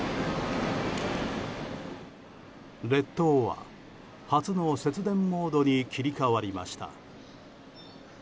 列島は初の節電モードに切り替わりました。